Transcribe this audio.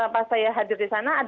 pas saya hadir di sana